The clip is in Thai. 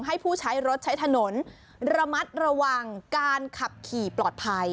ให้ผู้ใช้รถใช้ถนนระมัดระวังการขับขี่ปลอดภัย